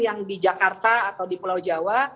yang di jakarta atau di pulau jawa